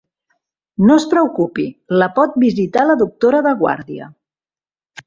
No es preocupi, la pot visitar la doctora de guàrdia.